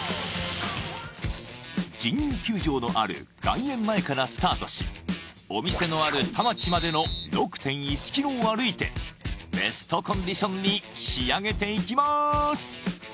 神宮球場のある外苑前からスタートしお店のある田町までの６．１キロを歩いてベストコンディションに仕上げていきます！